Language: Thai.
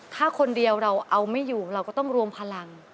ถ้าคนเดียวเราเอาไม่อยู่เราก็ต้องรวมพลัง